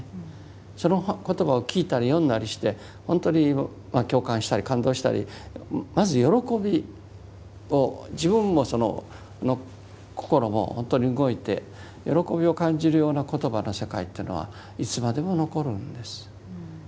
その言葉を聞いたり読んだりしてほんとに共感したり感動したりまず喜びを自分の心もほんとに動いて喜びを感じるような言葉の世界というのはいつまでも残るんです。